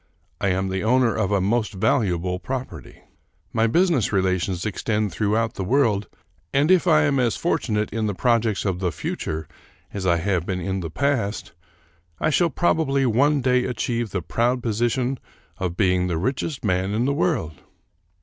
I am the owner of a most valuable property. My business relations extend throughout the world, and if I am as fortunate in the projects of the future as I have been in the past, I shall probably one day achieve the proud position of being the richest man in the world."